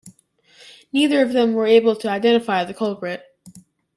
Neither of them were able to identify the culprit.